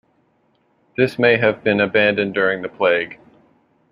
This may have been abandoned during the plague.